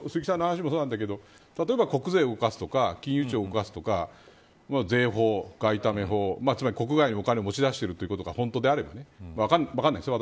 話もそうなんだけど例えば国税を動かすとか金融庁を動かすとか税法、外為法つまり国外に、お金を持ち出しているというのが本当であればね。